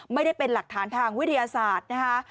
ไม่ได้เป็นหลักฐานทางวิทยาศาสตร์นะคะ